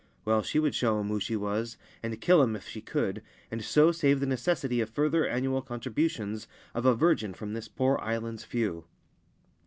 Well, she would show him who she was, and kill him if she could, and so save the necessity of further annual con tributions of a virgin from this poor island's few.